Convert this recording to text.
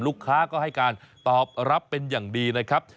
ลูกค้าก็ให้การตอบรับเป็นอย่างดีนะครับ